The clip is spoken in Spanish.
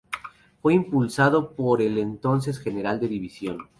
Fue impulsado por el entonces General de División.